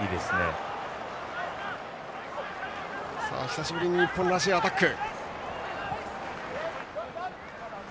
久しぶりに日本らしいアタック。